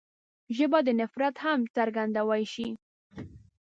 ژبه د نفرت هم څرګندوی شي